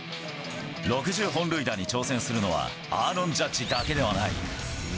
６０本塁打に挑戦するのは、アーロン・ジャッジだけではない。